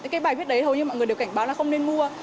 cái bài viết đấy hầu như mọi người đều cảnh báo là không nên mua